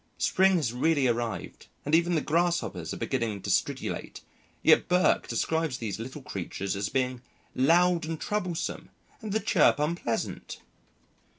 Spring has really arrived and even the grasshoppers are beginning to stridulate, yet Burke describes these little creatures as being "loud and troublesome" and the chirp unpleasant.